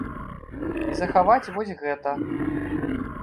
І захаваць вось гэта.